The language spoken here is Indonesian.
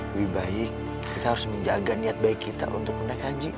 lebih baik kita harus menjaga niat baik kita untuk menak haji